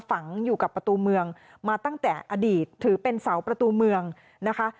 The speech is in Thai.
ฝังอยู่กับประตูเมืองมาตั้งแต่อดีตถือเป็นเสาประตูเมืองนะคะ